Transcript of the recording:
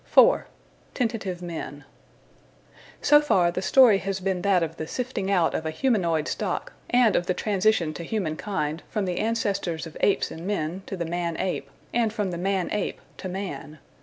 § 4 Tentative Men So far the story has been that of the sifting out of a humanoid stock and of the transition to human kind, from the ancestors of apes and men to the man ape, and from the man ape to man.